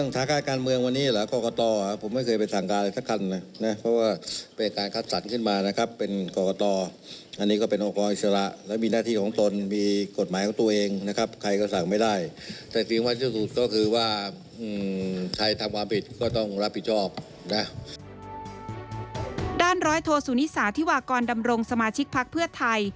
ด้านร้อยโทสุนิสาธิวากรดำรงสมาชิกพักเพื่อไทย